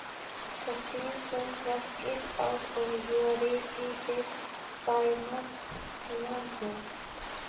The theme song was "Get Out of Your Lazy Bed", by Matt Bianco.